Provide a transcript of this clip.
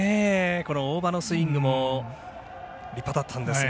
大場のスイングも立派だったんですが。